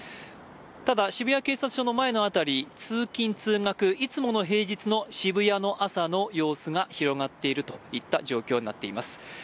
ただ、渋谷警察署の前の辺り、通勤通学いつもの平日の渋谷の朝の様子が広がっているといった状況になっています。